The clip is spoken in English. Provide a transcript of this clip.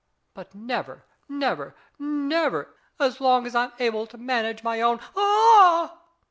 But never, never, never, as long as I'm able to manidge my own ah!"